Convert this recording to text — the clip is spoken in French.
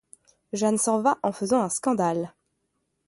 Jeanne s'en va en faisant un scandale.